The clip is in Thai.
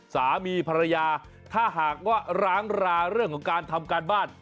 สามีภรรยาถ้าหากว่าร้างราเรื่องของการทำการบ้าน